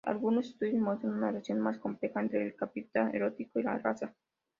Algunos estudios muestran una relación más compleja entre el capital erótico y la raza.